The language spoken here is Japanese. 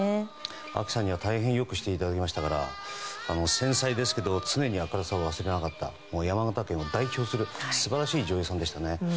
あきさんには大変良くしていただきましたから繊細ですけど常に明るさを忘れなかった山形県を代表する素晴らしい女優さんでしたね。